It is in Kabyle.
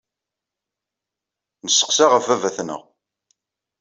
Nesseqsa ɣef baba-tneɣ.